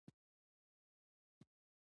لوبغاړي یو بل ته درناوی کوي.